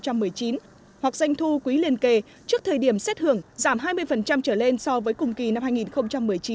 hoặc doanh thu quý liên kề trước thời điểm xét hưởng giảm hai mươi trở lên so với cùng kỳ năm hai nghìn một mươi chín